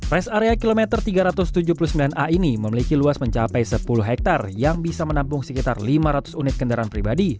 res area kilometer tiga ratus tujuh puluh sembilan a ini memiliki luas mencapai sepuluh hektare yang bisa menampung sekitar lima ratus unit kendaraan pribadi